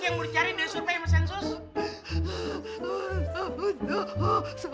emang apa sih yang boleh cari dari surpay sama sensus